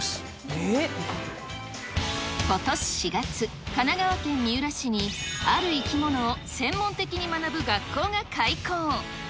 えっ？ことし４月、神奈川県三浦市に、ある生き物を専門的に学ぶ学校が開校。